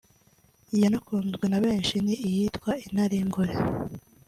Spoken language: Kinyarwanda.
yanakunzwe na benshi ni iyitwa ‘Intare y’ingore’